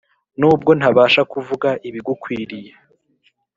Nubwo ntabasha kuvuga ibigukwiriye